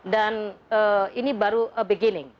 dan ini baru the beginning